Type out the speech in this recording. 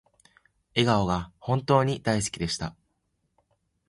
笑顔が本当に大好きでした